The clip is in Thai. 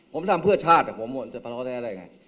ผมทำเพื่อชาติผมจะประท้อแท้ได้ไง